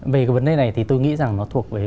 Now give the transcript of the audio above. về cái vấn đề này thì tôi nghĩ rằng nó thuộc về